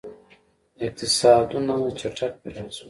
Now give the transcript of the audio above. • اقتصادونه چټک پراخ شول.